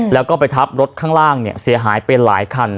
แล้วก็ไปทับรถข้างล่างเนี่ยเสียหายไปหลายคัน